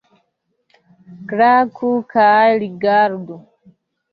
Klaku kaj rigardu!